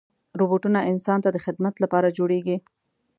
روبوټونه انسان ته د خدمت لپاره جوړېږي.